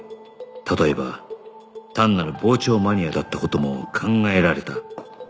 例えば単なる傍聴マニアだった事も考えられた